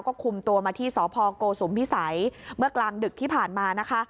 ก็คุมตัวมาที่สพโกสุมพิสัยเมื่อกลางดึกที่ผ่านมานะคะ